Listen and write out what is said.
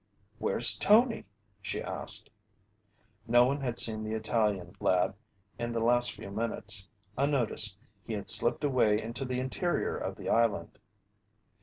"Where's Tony?" she asked. No one had seen the Italian lad in the last few minutes. Unnoticed, he had slipped away into the interior of the island.